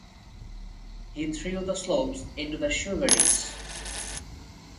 He threw the slops into the sugar-dish.